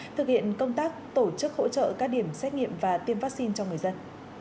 thực hiện công tác tổ chức hỗ trợ các điểm xét nghiệm và tiêm vaccine cho người dân